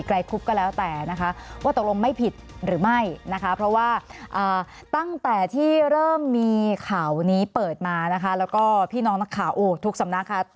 ไกรคุบกันแล้วแต่นะคะ